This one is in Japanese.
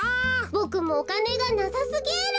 ボクもおかねがなさすぎる！